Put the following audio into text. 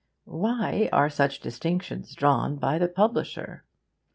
Why are such distinctions drawn by the publisher?